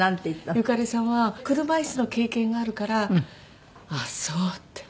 ゆかりさんは車椅子の経験があるから「あっそう」って。